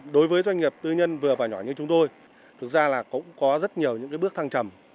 đối với doanh nghiệp tư nhân vừa và nhỏ như chúng tôi thực ra là cũng có rất nhiều những bước thăng trầm